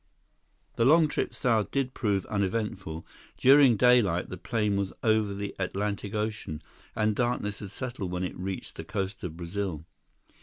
The long trip south did prove uneventful. During daylight, the plane was over the Atlantic Ocean, and darkness had settled when it reached the coast of Brazil.